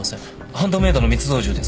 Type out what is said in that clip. ハンドメイドの密造銃です。